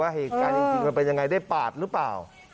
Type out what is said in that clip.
เหตุการณ์จริงมันเป็นยังไงได้ปาดหรือเปล่า